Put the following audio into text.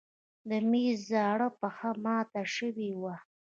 د مېز زاړه پښه مات شوې وه.